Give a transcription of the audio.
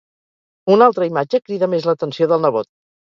Una altra imatge crida més l'atenció del nebot.